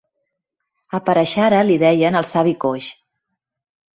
A Parashara li deien el "savi coix".